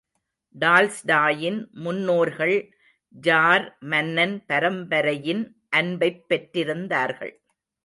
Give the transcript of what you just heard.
டால்ஸ்டாயின் முன்னோர்கள் ஜார் மன்னன் பரம்பரையின் அன்பைப் பெற்றிருந்தார்கள்.